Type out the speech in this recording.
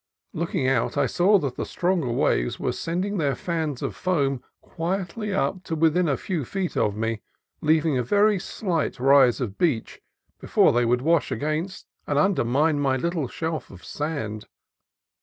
Looking out, I saw that the stronger waves were sending their fans of foam quietly up to within a few feet of me, leaving a very slight rise of beach before they would wash against and undermine my little shelf of sand.